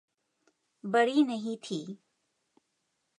बड़ी नहीं थी।